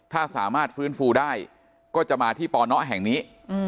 ถ้าสามารถฟื้นฟูได้ก็จะมาที่ปนแห่งนี้